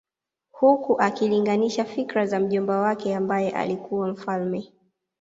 Huku akilinganisha fikra za mjomba wake ambaye alikuwa mfalme